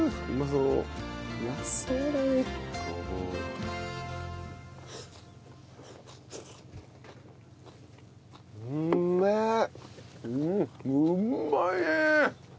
うんうまいね！